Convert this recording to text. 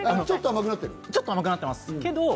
ちょっと甘くなってます。